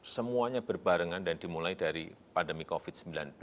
semuanya berbarengan dan dimulai dari pandemi covid sembilan belas